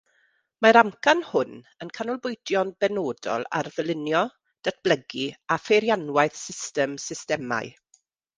Mae'r amcan hwn yn canolbwyntio'n benodol ar “ddylunio, datblygu a pheirianwaith System Systemau”.